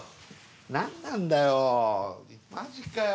何なんだよマジかよ。